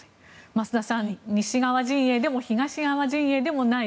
増田さん西側陣営でも東側陣営でもない